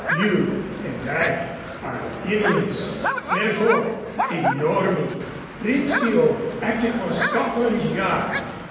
You and I are enemies. Therefore ignore me. Rizzio acted for Scotland Yard.